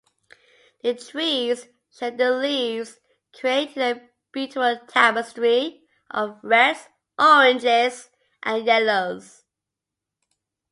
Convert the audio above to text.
The trees shed their leaves, creating a beautiful tapestry of reds, oranges, and yellows.